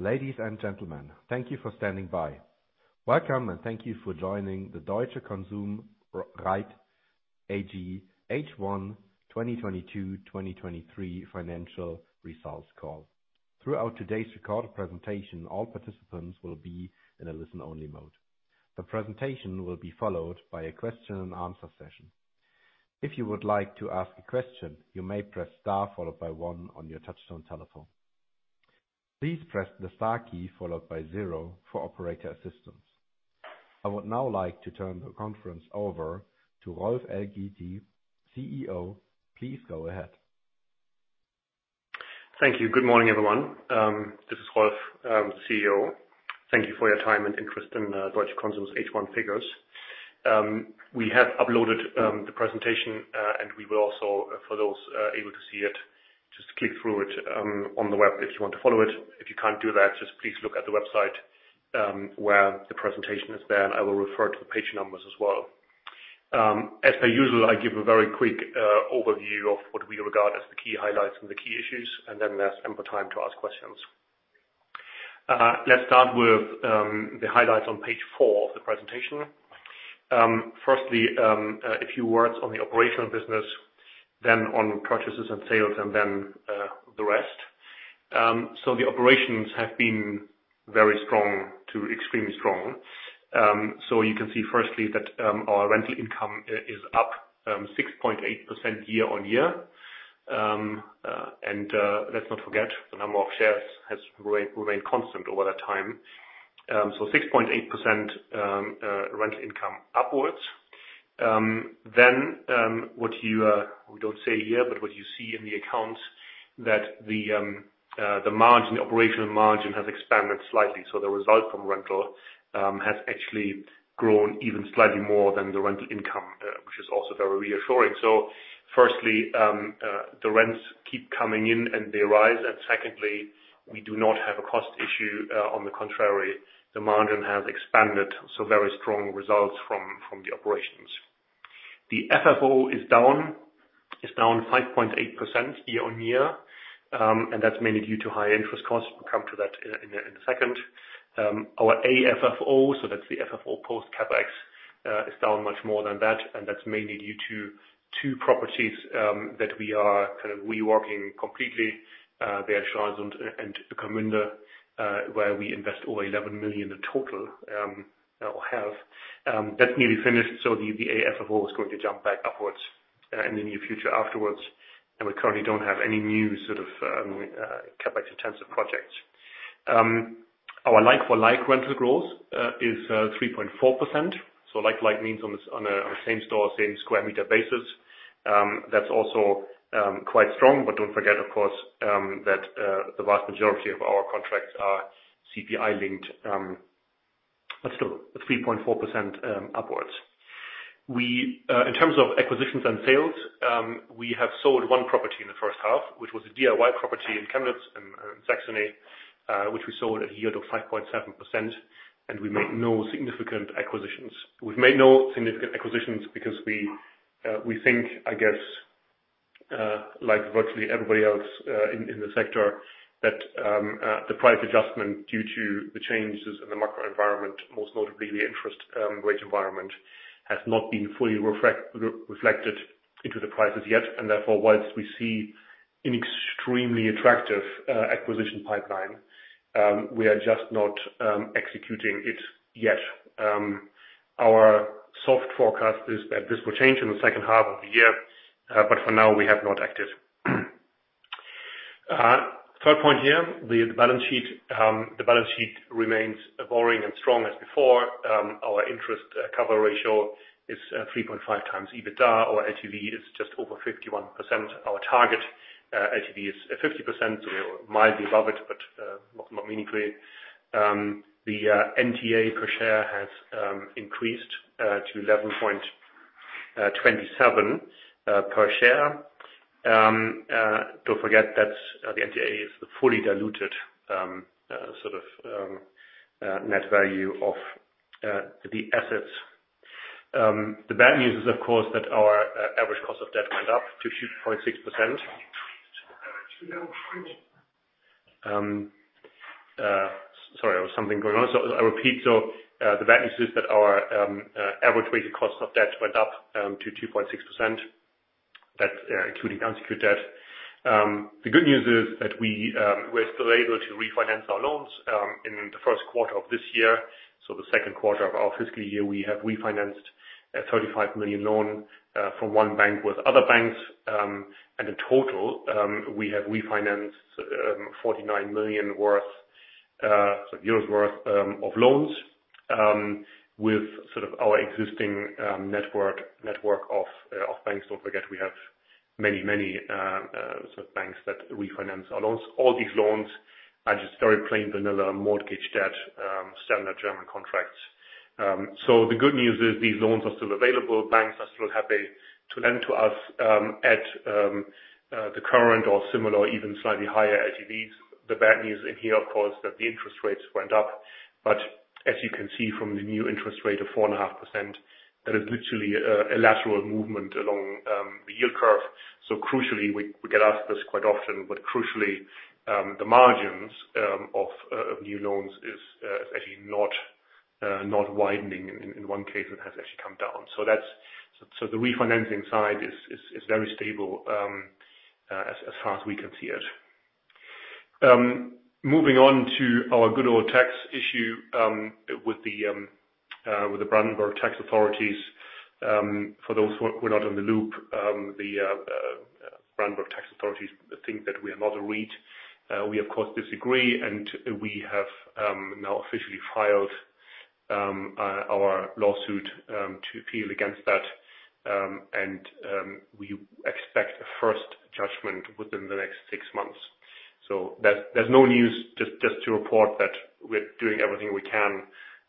Ladies and gentlemen, thank you for standing by. Welcome, thank you for joining the Deutsche Konsum REIT-AG H1 2022-2023 financial results call. Throughout today's recorded presentation, all participants will be in a listen-only mode. The presentation will be followed by a question and answer session. If you would like to ask a question, you may press star followed by one on your touchtone telephone. Please press the star key followed by zero for operator assistance. I would now like to turn the conference over to Rolf Elgeti, CEO. Please go ahead. Thank you. Good morning, everyone. This is Rolf, CEO. Thank you for your time and interest in Deutsche Konsum's H1 figures. We have uploaded the presentation, we will also, for those able to see it, just click through it on the web if you want to follow it. If you can't do that, just please look at the website, where the presentation is there, and I will refer to the page numbers as well. As per usual, I give a very quick overview of what we regard as the key highlights and the key issues, and then there's ample time to ask questions. Let's start with the highlights on page four of the presentation. Firstly, a few words on the operational business, then on purchases and sales, and then the rest. The operations have been very strong to extremely strong. You can see firstly that our rental income is up 6.8% year-on-year. Let's not forget the number of shares has remain constant over that time. 6.8% rental income upwards. What we don't say here, but what you see in the accounts, the margin, operational margin has expanded slightly. The result from rental has actually grown even slightly more than the rental income, which is also very reassuring. Firstly, the rents keep coming in and they rise, and secondly, we do not have a cost issue. On the contrary, the margin has expanded, very strong results from the operations. The FFO is down 5.8% year-on-year, that's mainly due to high interest costs. We'll come to that in a second. Our AFFO, so that's the FFO post CapEx, is down much more than that, and that's mainly due to two properties, that we are kind of reworking completely, the Schleiz and Gmünd, where we invest over 11 million in total, or have. That's nearly finished, so the AFFO is going to jump back upwards in the near future afterwards, and we currently don't have any new sort of CapEx-intensive projects. Our like-for-like rental growth is 3.4%. Like-like means on a same store, same square meter basis. That's also quite strong. Don't forget, of course, that the vast majority of our contracts are CPI linked. Still, at 3.4%, upwards. We in terms of acquisitions and sales, we have sold one property in the first half, which was a DIY property in Chemnitz, Saxony, which we sold at a yield of 5.7%. We made no significant acquisitions because we think, I guess, like virtually everybody else in the sector that the price adjustment due to the changes in the macro environment, most notably the interest rate environment, has not been fully re-reflected into the prices yet. Whilst we see an extremely attractive acquisition pipeline, we are just not executing it yet. Our soft forecast is that this will change in the second half of the year, but for now, we have not acted. Third point here, the balance sheet. The balance sheet remains boring and strong as before. Our interest cover ratio is 3.5x EBITDA. Our LTV is just over 51%. Our target LTV is at 50%, we are mildly above it, but not meaningfully. The NTA per share has increased to 11.27 per share. Don't forget that the NTA is the fully diluted sort of net value of the assets. The bad news is, of course, that our average cost of debt went up to 2.6%. Sorry, there was something going on. I'll repeat. The bad news is that our average weighted cost of debt went up to 2.6%. That's including unsecured debt. The good news is that we're still able to refinance our loans in the first quarter of this year. The second quarter of our fiscal year, we have refinanced a 35 million loan from one bank with other banks. In total, we have refinanced 49 million worth of loans with sort of our existing network of banks. Don't forget we have many sort of banks that refinance our loans. All these loans are just very plain vanilla mortgage debt, standard German contracts. The good news is these loans are still available. Banks are still happy to lend to us at the current or similar or even slightly higher LTVs. The bad news in here, of course, that the interest rates went up. As you can see from the new interest rate of 4.5%, that is literally a lateral movement along the yield curve. Crucially, we get asked this quite often, but crucially, the margins of new loans is actually not widening. In one case, it has actually come down. The refinancing side is very stable as far as we can see it. Moving on to our good old tax issue with the Brandenburg tax authorities. For those who are not in the loop, the Brandenburg tax authorities think that we are not a REIT. We of course disagree, and we have now officially filed our lawsuit to appeal against that. We expect a first judgment within the next six months. There's no news, just to report that we're doing everything we can,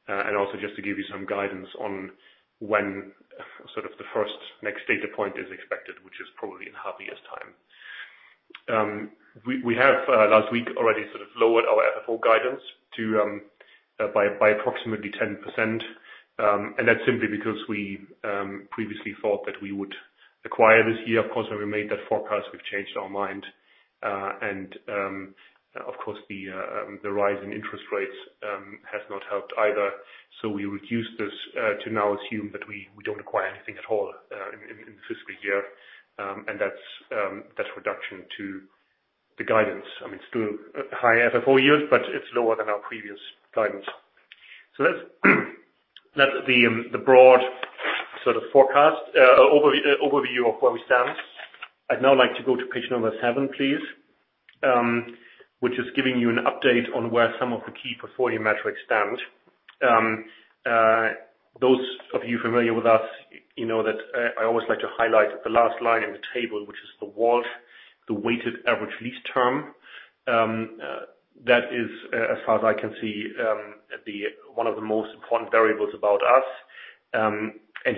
and also just to give you some guidance on when sort of the first next data point is expected, which is probably in half a year's time. We have last week already sort of lowered our FFO guidance by approximately 10%. That's simply because we previously thought that we would acquire this year. Of course, when we made that forecast, we've changed our mind. Of course the rise in interest rates has not helped either. We reduced this to now assume that we don't acquire anything at all in the fiscal year. That's reduction to the guidance. I mean, it's still high FFO yield, but it's lower than our previous guidance. That's the broad sort of forecast over-overview of where we stand. I'd now like to go to page number seven, please, which is giving you an update on where some of the key portfolio metrics stand. Those of you familiar with us, you know that I always like to highlight the last line in the table, which is the WALT, the weighted average lease term. That is, as far as I can see, one of the most important variables about us.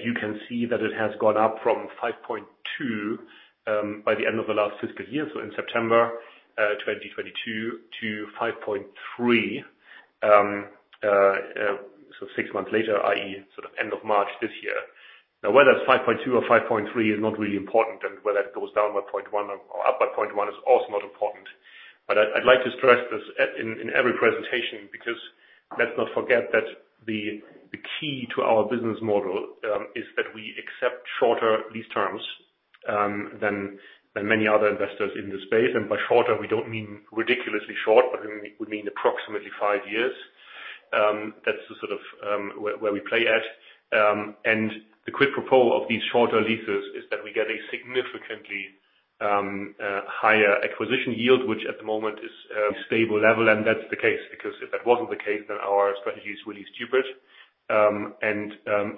You can see that it has gone up from 5.2 by the end of the last fiscal year, so in September 2022, to 5.3 so six months later, i.e., sort of end of March this year. Whether it's 5.2 or 5.3 is not really important, and whether it goes down by 0.1 or up by 0.1 is also not important. I'd like to stress this at, in every presentation, because let's not forget that the key to our business model is that we accept shorter lease terms than many other investors in this space. By shorter, we don't mean ridiculously short, but we mean approximately five years. That's the sort of where we play at. The quick proposal of these shorter leases is that we get a significantly higher acquisition yield, which at the moment is a stable level, and that's the case. Because if that wasn't the case, then our strategy is really stupid.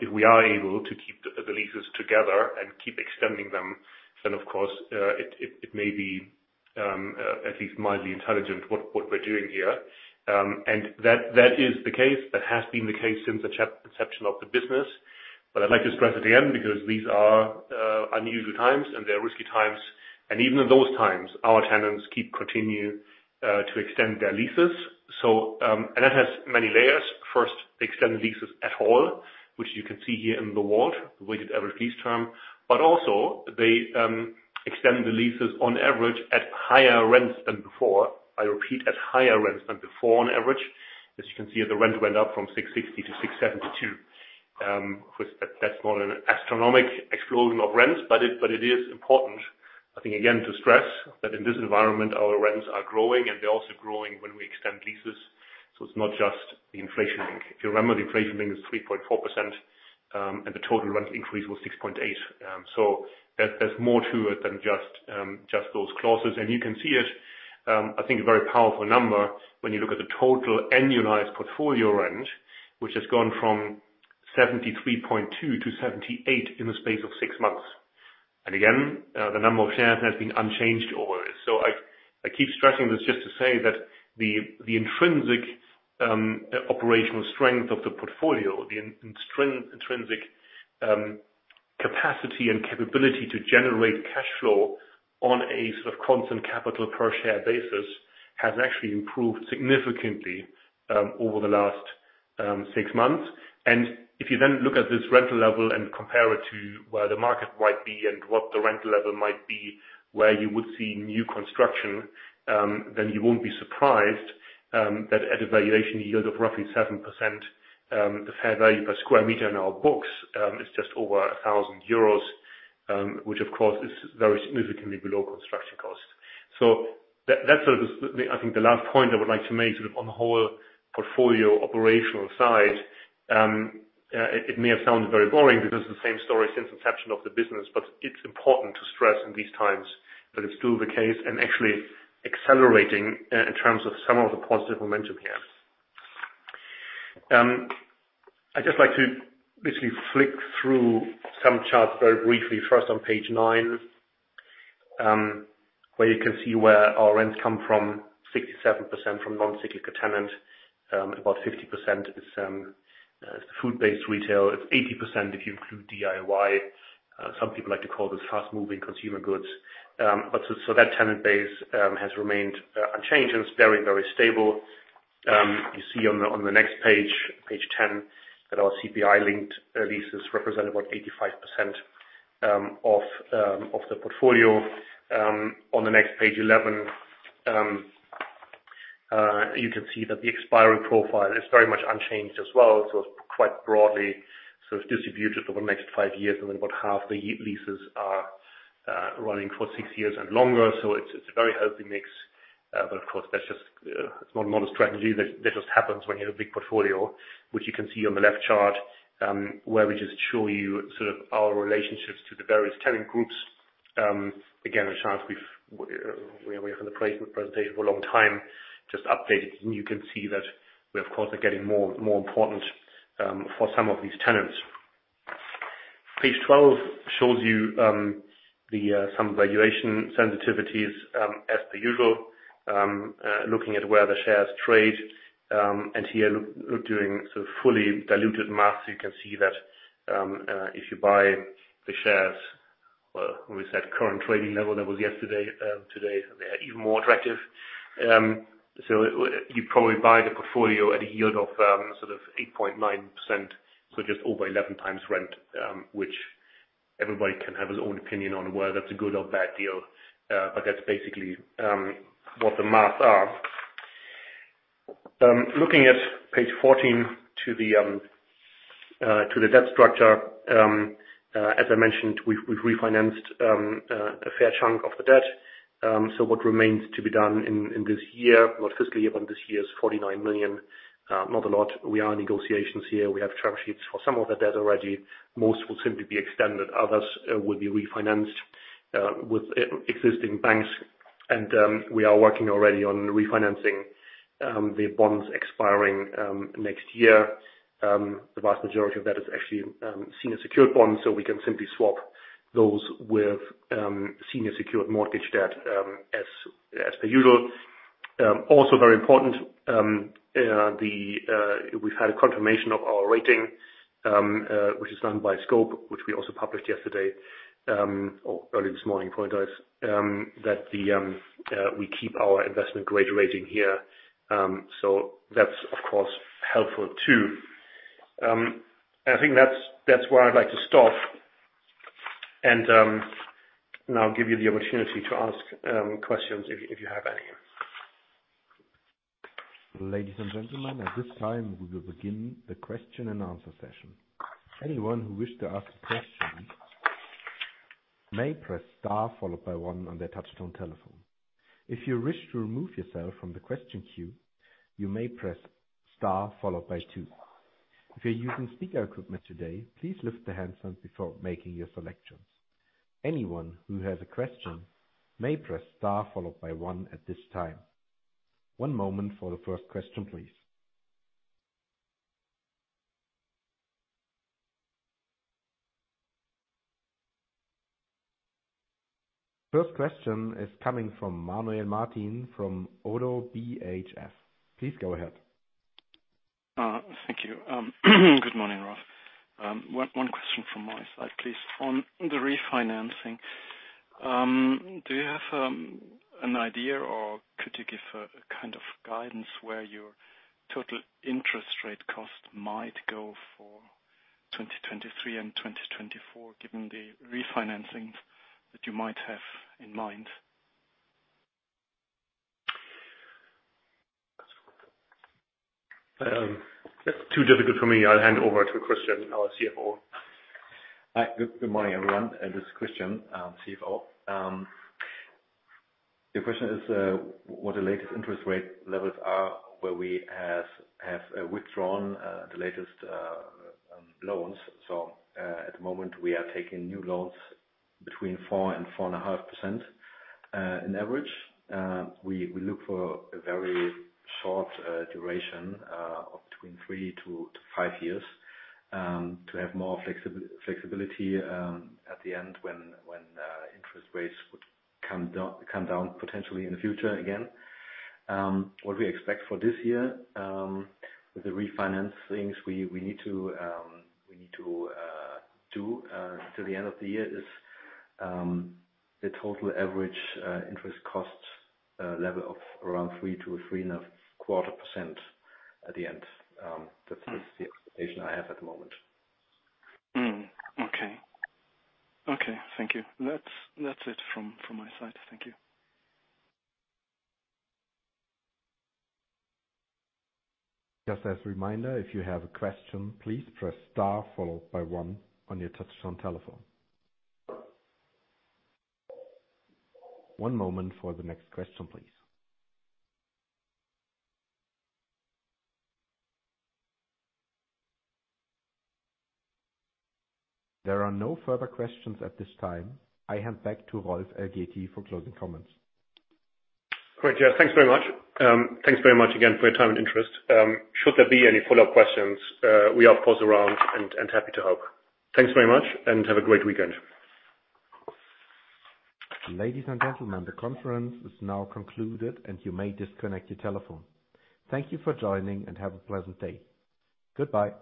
If we are able to keep the leases together and keep extending them, then of course, it may be at least mildly intelligent, what we're doing here. That is the case. That has been the case since the chap-conception of the business. I'd like to stress at the end, because these are unusual times, and they're risky times, and even in those times, our tenants keep continuing to extend their leases. That has many layers. First, they extend the leases at all, which you can see here in the WALT, the weighted average lease term. Also they extend the leases on average at higher rents than before. I repeat, at higher rents than before on average. As you can see, the rents went up from 6.60-6.72. Of course, that's not an astronomic explosion of rents, but it is important, I think, again, to stress that in this environment, our rents are growing, and they're also growing when we extend leases. It's not just the inflation link. If you remember, the inflation link is 3.4%, and the total rent increase was 6.8. There's more to it than just those clauses. You can see it, I think a very powerful number when you look at the total annualized portfolio rent, which has gone from 73.2-78 in the space of six months. Again, the number of shares has been unchanged over it. I keep stressing this just to say that the intrinsic operational strength of the portfolio, the intrinsic capacity and capability to generate cash flow on a sort of constant capital per share basis, has actually improved significantly over the last six months. If you then look at this rental level and compare it to where the market might be and what the rental level might be, where you would see new construction, then you won't be surprised that at a valuation yield of roughly 7%, the fair value per square meter in our books, is just over 1,000 euros, which of course is very significantly below construction cost. That's sort of the, I think, the last point I would like to make sort of on the whole portfolio operational side. It, it may have sounded very boring because it's the same story since inception of the business, but it's important to stress in these times that it's still the case and actually accelerating in terms of some of the positive momentum here. I'd just like to basically flick through some charts very briefly. First on page nine, where you can see where our rents come from, 67% from non-cyclical tenant. About 50% is the food-based retail. It's 80% if you include DIY. Some people like to call this fast-moving consumer goods. That tenant base has remained unchanged and it's very stable. You see on the next page 10, that our CPI-linked leases represent about 85% of the portfolio. On the next page, 11, you can see that the expiry profile is very much unchanged as well, quite broadly sort of distributed over the next five years and then about half the leases are running for six years and longer. It's a very healthy mix. But of course, that's just, it's not a strategy that just happens when you have a big portfolio, which you can see on the left chart, where we just show you sort of our relationships to the various tenant groups. Again, a chance we've, we have in the presentation for a long time, just updated, and you can see that we, of course, are getting more important for some of these tenants. Page 12 shows you, the some valuation sensitivities, as per usual. Looking at where the shares trade. And here doing sort of fully diluted math, you can see that, if you buy the shares, well, with that current trading level, that was yesterday, today, they are even more attractive. You probably buy the portfolio at a yield of sort of 8.9%, just over 11x rent, which everybody can have his own opinion on whether that's a good or bad deal. That's basically what the math are. Looking at page 14 to the debt structure, as I mentioned, we've refinanced a fair chunk of the debt. What remains to be done in this year, not fiscally, but this year is 49 million, not a lot. We are in negotiations here. We have term sheets for some of the debt already. Most will simply be extended, others will be refinanced with existing banks. We are working already on refinancing the bonds expiring next year. The vast majority of that is actually senior secured bonds, so we can simply swap those with senior secured mortgage debt as per usual. Also very important, we've had a confirmation of our rating, which is done by Scope, which we also published yesterday or early this morning, point out that we keep our investment grade rating here. That's, of course, helpful too. I think that's where I'd like to stop. Now give you the opportunity to ask questions if you, if you have any. Ladies and gentlemen, at this time we will begin the question and answer session. Anyone who wished to ask a question may press star followed by one on their touch-tone telephone. If you wish to remove yourself from the question queue, you may press star followed by two. If you're using speaker equipment today, please lift the handset before making your selections. Anyone who has a question may press star followed by one at this time. One moment for the first question, please. First question is coming from Manuel Martin from ODDO BHF. Please go ahead. Thank you. Good morning, Rolf. One question from my side, please. On the refinancing, do you have an idea or could you give a kind of guidance where your total interest rate cost might go for 2023 and 2024, given the refinancings that you might have in mind? That's too difficult for me. I'll hand over to Christian, our CFO. Hi. Good morning, everyone. This is Christian, CFO. Your question is what the latest interest rate levels are, where we have withdrawn the latest loans. At the moment, we are taking new loans between 4%-4.5% in average. We look for a very short duration of between three to five years to have more flexibility at the end when interest rates would come down potentially in the future again. What we expect for this year with the refinancings we need to do till the end of the year is the total average interest cost level of around 3%-3.25% at the end. That's the expectation I have at the moment. Hmm. Okay. Okay. Thank you. That's it from my side. Thank you. Just as a reminder, if you have a question, please press star followed by one on your touchtone telephone. One moment for the next question, please. There are no further questions at this time. I hand back to Rolf Elgeti for closing comments. Great. Yeah, thanks very much. Thanks very much again for your time and interest. Should there be any follow-up questions, we are of course, around and happy to help. Thanks very much and have a great weekend. Ladies and gentlemen, the conference is now concluded and you may disconnect your telephone. Thank you for joining, and have a pleasant day. Goodbye.